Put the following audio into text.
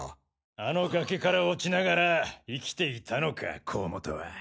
あの崖から落ちながら生きていたのか甲本は。